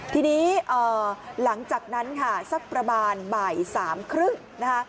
ทีนี้หลังจากนั้นค่ะสักประมาณบ่าย๓๓๐ที่